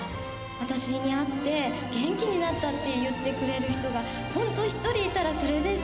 私に会って、元気になったって言ってくれる人が本当に一人いたら、それです